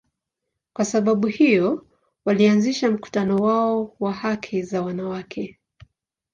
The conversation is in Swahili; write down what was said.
Kwa sababu hiyo, walianzisha mkutano wao wa haki za wanawake.